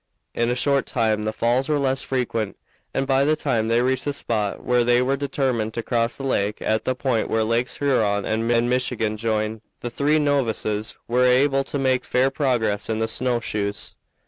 In a short time the falls were less frequent, and by the time they reached the spot where they were determined to cross the lake at the point where Lakes Huron and Michigan join, the three novices were able to make fair progress in the snow shoes.